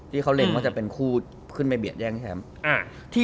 ที่เขาเล็งว่าจะเป็นคู่ขึ้นไปเบียดแย่งแชมป์